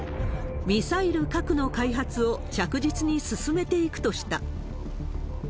ミサイル・核の開発を着実に進めていくとした。